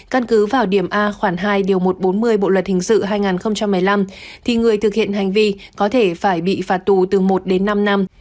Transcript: căn cứ vào điểm a khoảng hai điều một trăm bốn mươi bộ luật hình sự hai nghìn một mươi năm thì người thực hiện hành vi có thể phải bị phạt tù từ một đến năm năm